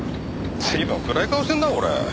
随分暗い顔してんなこれ。